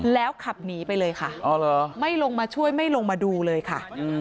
แล้วขับหนีไปเลยค่ะไม่ลงมาช่วยไม่ลงมาดูเลยค่ะ